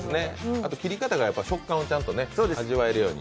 あと、切り方がちゃんと食感を味わえるように。